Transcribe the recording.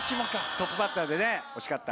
トップバッターでね惜しかった。